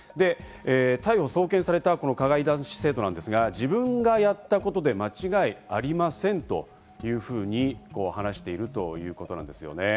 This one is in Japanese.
逮捕・送検された加害男子生徒ですが自分がやったことで間違いありませんというふうに話しているということなんですよね。